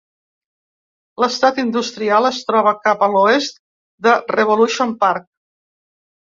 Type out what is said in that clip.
L'estat industrial es troba cap a l'oest de Revolution Park.